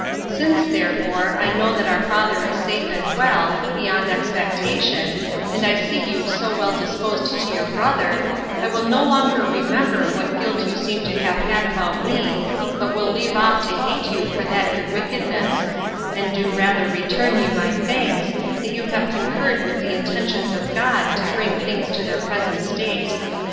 Since, therefore, I know that our father is safe and well, beyond expectation, and I see you so well disposed to your brother, I will no longer remember what guilt you seem to have had about me, but will leave off to hate you for that your wickedness; and do rather return you my thanks, that you have concurred with the intentions of God to bring things to their present state.